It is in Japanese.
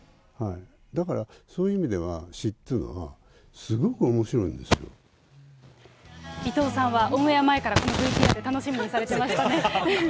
だから、そういう意味では詩っていうのは、伊藤さんはオンエア前からこのＶＴＲ、楽しみにされてましたね。